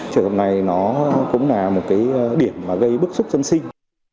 trường hợp này nó cũng là một cái điểm mà gây bức xúc dân sinh